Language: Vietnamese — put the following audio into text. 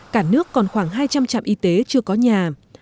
cả nước còn khoảng hai trăm linh trạm y tế chưa có nhà